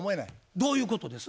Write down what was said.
どういうことですか？